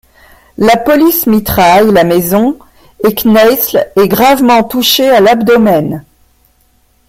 La police mitraille la maison et Kneissl est gravement touché à l'abdomen.